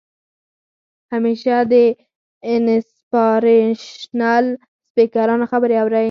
همېشه د انسپارېشنل سپيکرانو خبرې اورئ